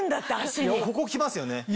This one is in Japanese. ここ来ますよね。